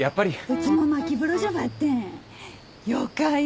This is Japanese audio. うちもまき風呂じゃばってよかよ。